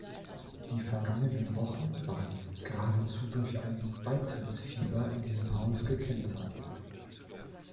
Die vergangenen Wochen waren geradezu durch ein Beitrittsfieber in diesem Haus gekennzeichnet.